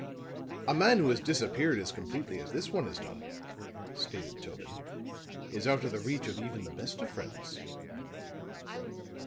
"A man who has disappeared as completely as this one has done," stated Tobin, "is out of the reach of even the best of friends."